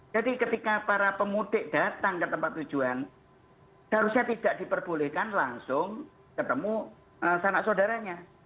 jadi ketika para pemudik datang ke tempat tujuan seharusnya tidak diperbolehkan langsung ketemu sanak saudaranya